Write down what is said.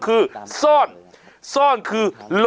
ครูกัดสบัติคร้าว